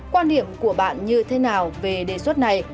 quan điểm của bạn như thế nào về đề xuất này